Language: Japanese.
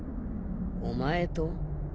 お前と？